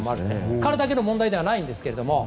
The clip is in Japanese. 彼だけの問題ではないんですが。